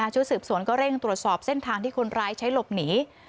ชุดสืบสวนก็เร่งตรวจสอบเส้นทางที่คนร้ายใช้หลบหนี